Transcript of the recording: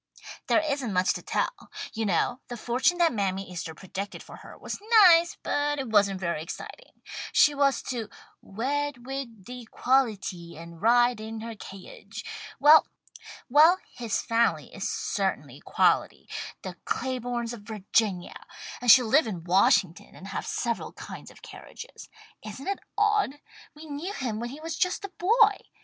"There isn't much to tell. You know the fortune that Mammy Easter predicted for her was nice, but it wasn't very exciting. She was to 'wed wid de quality and ride in her ca'iage.' Well, his family is certainly quality, the Claibornes of Virginia, and she'll live in Washington and have several kinds of carriages. Isn't it odd? We knew him when he was just a boy.